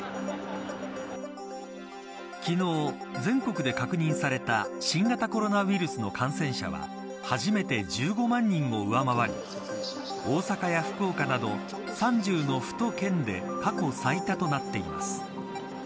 昨日、全国で確認された新型コロナウイルスの感染者は初めて１５万人を上回り大阪や福岡など３０の府と県で過去最多となっています。